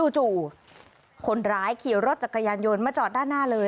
จู่คนร้ายขี่รถจักรยานยนต์มาจอดด้านหน้าเลย